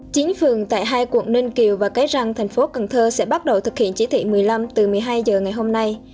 chín phường tại hai quận ninh kiều và cái răng thành phố cần thơ sẽ bắt đầu thực hiện chỉ thị một mươi năm từ một mươi hai h ngày hôm nay